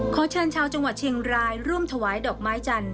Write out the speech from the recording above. ขอเชิญชาวจังหวัดเชียงรายร่วมถวายดอกไม้จันท